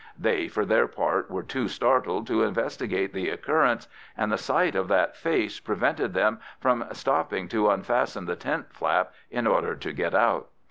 They, for their part, were too startled to investigate the occurrence, and the sight of that face prevented them from stopping to unfasten the tent flap in order to get out.